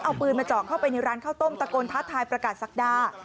เอาปืนมาเจาะเข้าไปในร้านข้าวต้มตะโกนท้าทายประกาศศักดา